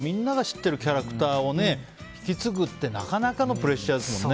みんなが知ってるキャラクターを引き継ぐってなかなかのプレッシャーですからね。